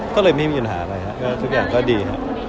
ก็เลยไม่มีหยุ่นหาอะไรทุกอย่างก็ดี